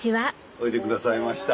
おいで下さいました。